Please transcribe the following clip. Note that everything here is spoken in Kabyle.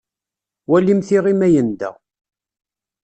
Walimt iɣi ma yenda.